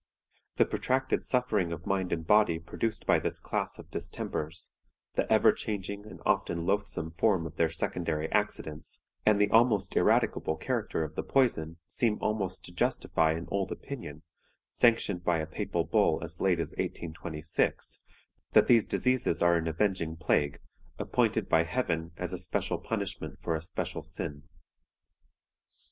The protracted suffering of mind and body produced by this class of distempers, the ever changing and often loathsome form of their secondary accidents, and the almost irradicable character of the poison, seem almost to justify an old opinion, sanctioned by a papal bull as late as 1826, that these diseases are an avenging plague, appointed by Heaven as a special punishment for a special sin.